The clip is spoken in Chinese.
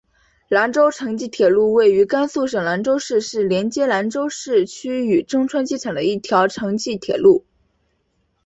兰中城际铁路位于甘肃省兰州市是连接兰州市区与中川机场的一条城际铁路。